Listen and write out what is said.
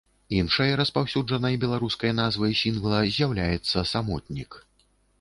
Іншай распаўсюджанай беларускай назвай сінгла з'яўляецца самотнік.